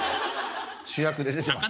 主役で出てまして。